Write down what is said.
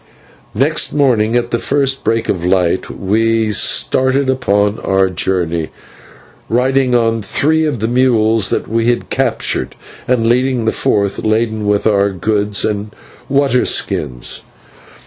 Next morning, at the first break of light, we started upon our journey, riding on three of the mules that we had captured, and leading the fourth laden with our goods and water skins.